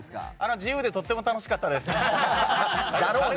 自由でとっても楽しかったです。だろうね。